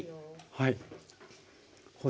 はい。